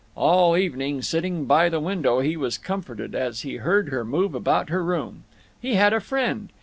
All evening, sitting by the window, he was comforted as he heard her move about her room. He had a friend.